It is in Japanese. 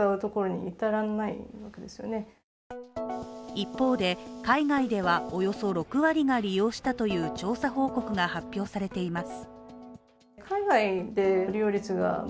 一方で、海外では、およそ６割が利用したという調査報告が発表されています。